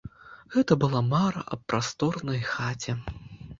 Гэта была мара аб прасторнай хаце.